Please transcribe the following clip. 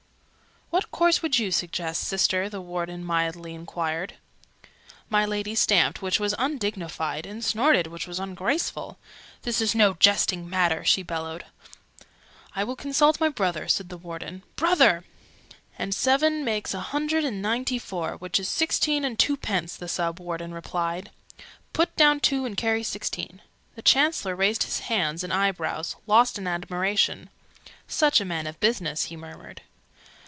"What course would you suggest, Sister?" the Warden mildly enquired. My Lady stamped, which was undignified: and snorted, which was ungraceful. "This is no jesting matter!" she bellowed. "I will consult my brother," said the Warden. "Brother!" " and seven makes a hundred and ninety four, which is sixteen and two pence," the Sub Warden replied. "Put down two and carry sixteen." The Chancellor raised his hands and eyebrows, lost in admiration. "Such a man of business!" he murmured.